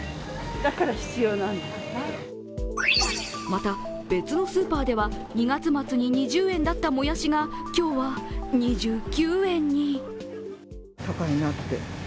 また、別のスーパーでは２月末に２０円だったもやしが、今日は２９円に。